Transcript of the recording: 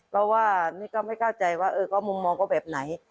เพราะว่านี่ก็ไม่เข้าใจว่าเออก็มุมมองก็แบบไหน